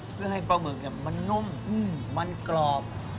เพื่อให้ปลาหมึกมันนุ่มมันกรอบ